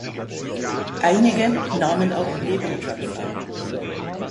Einige nahmen auch Nebenjobs an.